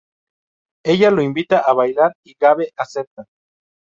Ella lo invita a bailar y Gabe acepta.